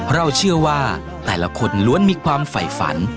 เราเชื่อว่าแต่ละคนล้วนมีความฝ่ายฝัน